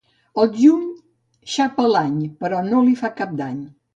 El juny xapa l'any, però no li fa cap dany.